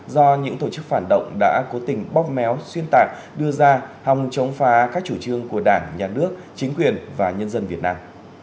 do những tổ chức phản động đã cố tình bóp méo xuyên tạc đưa ra hòng chống phá các chủ trương của đảng nhà nước chính quyền và nhân dân việt nam